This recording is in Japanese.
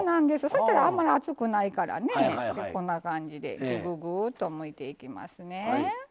そしたらあんまり熱くないからねこんな感じでぐぐぐっとむいていきますね。